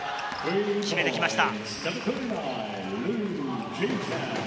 決めてきました。